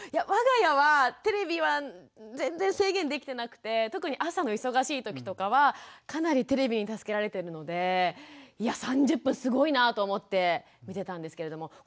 わが家はテレビは全然制限できてなくて特に朝の忙しい時とかはかなりテレビに助けられてるのでいや３０分すごいなと思って見てたんですけれども。